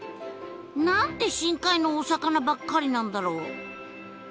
何で深海のお魚ばっかりなんだろう？